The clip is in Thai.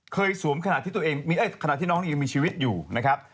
เคยสวมขนาดที่น้องคนนี้ยังมีชีวิตอยู่นะครับ